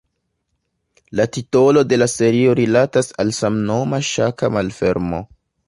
La titolo de la serio rilatas al samnoma ŝaka malfermo.